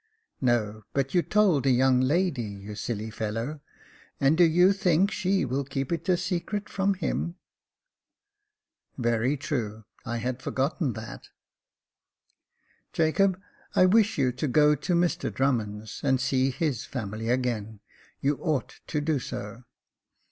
"No; but you told the young lady, you silly fellow; and do you think she will keep it a secret from him ?"Very true; I had forgotten that." " Jacob, I wish you to go to Mr Drummond's, and see his family again ; you ought to do so."